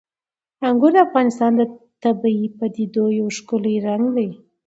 انګور د افغانستان د طبیعي پدیدو یو ښکلی رنګ دی.